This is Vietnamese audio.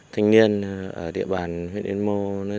thanh niên ở địa bàn huyện yên mô nói